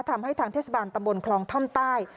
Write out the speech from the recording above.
ทางเทศบาลตำบลคลองท่อมใต้